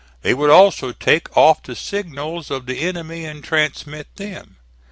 They would also take off the signals of the enemy and transmit them.